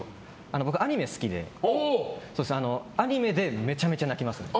僕、アニメ好きでアニメでめちゃめちゃ泣きます。